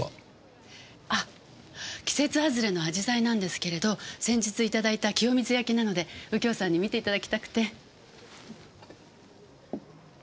あ季節外れの紫陽花なんですけれど先日いただいた清水焼なので右京さんに見ていただきたくて。